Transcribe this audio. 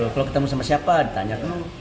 kalau ketemu sama siapa ditanya